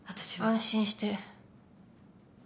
安心して。